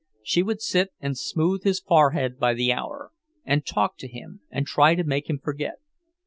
She would sit and smooth his forehead by the hour, and talk to him and try to make him forget.